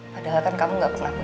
padahal kan kamu gak pernah punya